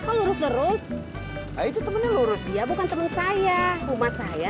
bang bang bang cukup kalau terus terus itu temen lurus ya bukan temen saya rumah saya